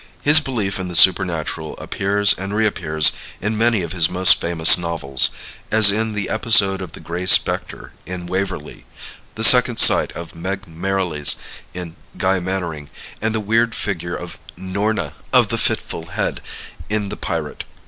His belief in the supernatural appears and reappears in many of his most famous novels, as in the episode of the Gray Specter in "Waverley," the second sight of Meg Merrilies in "Guy Mannering," and the weird figure of Norna of the Fitful Head in "The Pirate."